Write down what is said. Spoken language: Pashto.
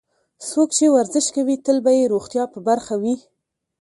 څوک چې ورزش کوي، تل به یې روغتیا په برخه وي.